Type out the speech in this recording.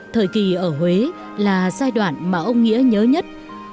thời kỳ ở huế là giai đoạn mà ông nghĩa nhớ nhất